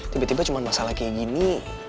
tiba tiba cuma masalah kayak gini